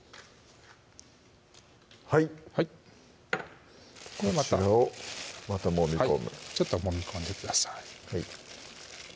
はいはいこちらをまたもみ込むちょっともみ込んでください